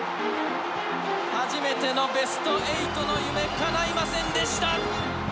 初めてのベスト８の夢かないませんでした。